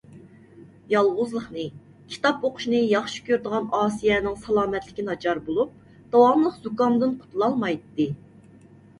يالغۇزلۇقنى، كىتاب ئوقۇشنى ياخشى كۆرىدىغان ئاسىيەنىڭ سالامەتلىكى ناچار بولۇپ، داۋاملىق زۇكامدىن قۇتۇلالمايتتى.